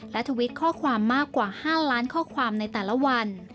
และทวิตข้อความมากกว่า๕ล้านข้อความในแต่ละวัน